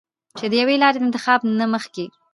چې د يوې لارې د انتخاب نه مخکښې